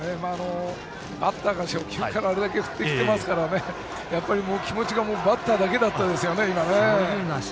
バッターが初球からあれだけ振ってきてますから気持ちがバッターだけでしたね。